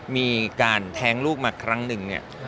มีการแท้งลูกมาครั้งหนึ่งเนี่ย